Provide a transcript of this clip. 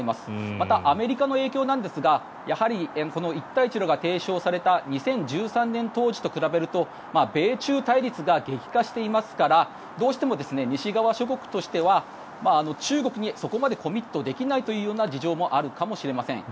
また、アメリカの影響なんですがやはり一帯一路が提唱された２０１３年当時と比べると米中対立が激化していますからどうしても西側諸国としては中国にそこまでコミットできないというような事情もあるかもしれません。